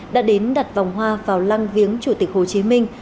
đã đến đặt vòng hoa vào lăng viếng chủ tịch hồ chí minh